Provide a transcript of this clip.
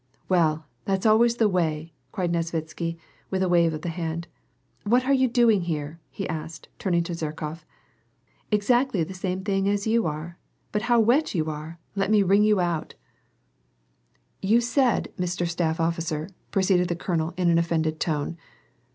Well, that's always the way," cried Nesvitsky, with a wave of the hand. " What are you doing here ?" he asked, turning to Zherkof. "Exactly the same thing as you are ! but bow wet you are ! let me wring you out !" 172 ^VAIt AND PEACE, " You said, Mister Staff Officer," — proceeded the colonel ill an offended tone.